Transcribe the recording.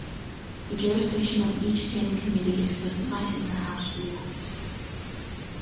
The jurisdiction of each standing committee is specified in the House Rules.